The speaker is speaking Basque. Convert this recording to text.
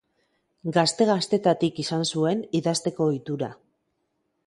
Gazte-gaztetatik izan zuen idazteko ohitura.